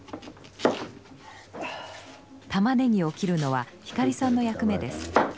たまねぎを切るのは光さんの役目です。